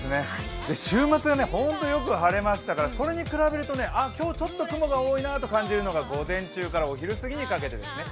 週末が本当によく晴れましたから、それに比べると、今日ちょっと雲が多いなと感じるのが午前中からお昼過ぎにかけてですね。